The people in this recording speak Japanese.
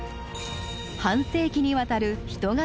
半世紀にわたる人型